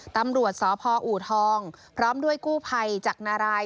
ตำรวจสพอูทองพร้อมด้วยกู้ภัยจากนาราย